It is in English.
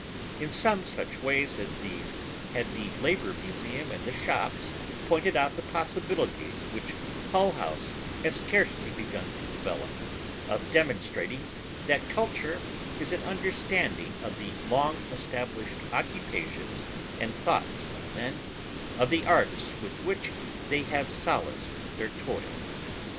In some such ways as these have the Labor Museum and the shops pointed out the possibilities which Hull House has scarcely begun to develop, of demonstrating that culture is an understanding of the long established occupations and thoughts of men, of the arts with which they have solaced their toil.